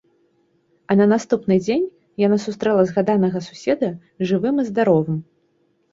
А на наступны дзень яна сустрэла згаданага суседа жывым і здаровым.